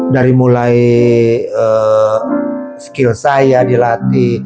dari mulai skill saya dilatih